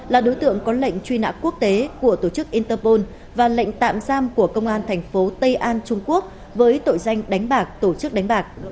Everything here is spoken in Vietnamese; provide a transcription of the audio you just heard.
là đối tượng có lệnh truy nã quốc tế của tổ chức interpol và lệnh tạm giam của công an thành phố tây an trung quốc với tội danh đánh bạc tổ chức đánh bạc